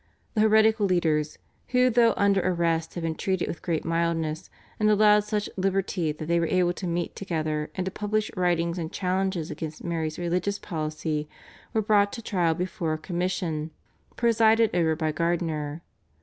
The heretical leaders, who though under arrest had been treated with great mildness and allowed such liberty that they were able to meet together and to publish writings and challenges against Mary's religious policy, were brought to trial before a commission presided over by Gardiner.